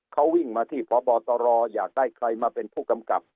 เขาวิ่งมาที่พบตรอยากได้ใครมาเป็นผู้กำกับ